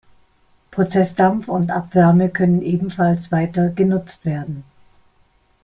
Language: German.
Prozessdampf und Abwärme können ebenfalls weiter genutzt werden.